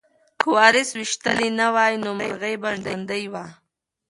که وارث ویشتلی نه وای نو مرغۍ به ژوندۍ وه.